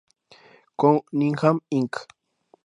Cunningham Inc."".